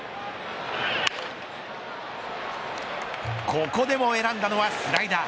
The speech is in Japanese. ここでも選んだのはスライダー。